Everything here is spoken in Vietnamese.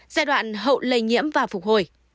giai đoạn lây nhiễm và phục hồi